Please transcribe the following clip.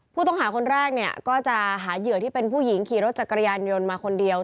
ผู้ต้องหาคนแรกเนี่ยก็จะหาเหยื่อที่เป็นผู้หญิงขี่รถจักรยานยนต์มาคนเดียว